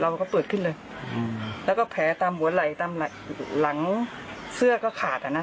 แล้วก็แผลตามหัวไหล่ตามหลังเสื้อก็ขาดน่ะนะ